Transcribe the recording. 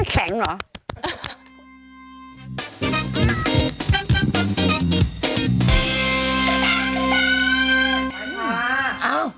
แข็งเหรอ